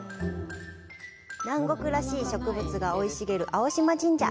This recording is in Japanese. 南国らしい植物が生い茂る青島神社。